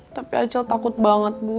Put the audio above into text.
tapi acal takut banget bu